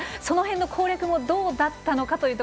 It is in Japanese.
その辺の攻略もどうだったのか。